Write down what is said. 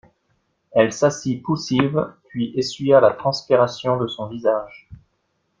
Elle s'assit poussive, puis essuya la transpiration de son visage.